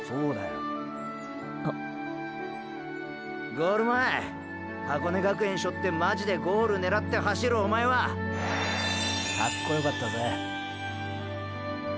ゴール前箱根学園背負ってマジでゴール狙って走るおまえはカッコよかったぜ？